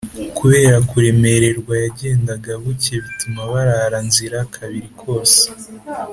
kubera kuremererwa yagendaga buke bituma barara nzira kabiri kose.